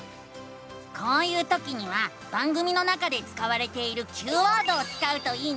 こういうときには番組の中で使われているＱワードを使うといいのさ！